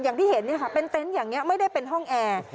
อย่างที่เห็นเป็นเต็นต์อย่างนี้ไม่ได้เป็นห้องแอร์